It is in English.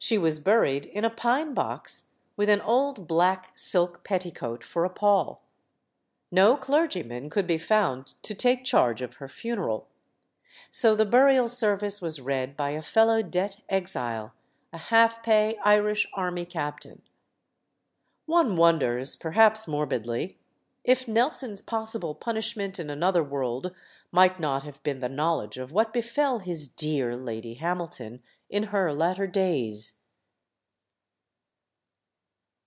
was buried in a pine box, LADY HAMILTON 271 with an old black silk petticoat for a pall. No clergy man could be found to take charge of her funeral. So the burial service was read by a fellow debt exile a half pay Irish army captain. One wonders perhaps morbidly if Nelson's pos sible punishment in another world might not have been the knowledge of what befell his "dear" Lady Hamil ton in her latter days.